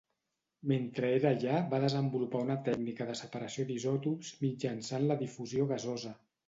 Mentre era allà, va desenvolupar una tècnica de separació d'isòtops mitjançant la difusió gasosa.